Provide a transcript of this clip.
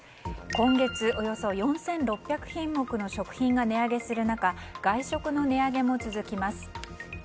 今月、およそ４６００品目の食品が値上げする中外食の値上げも続きます。